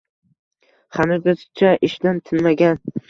Xanuzgacha ishdan tinmagan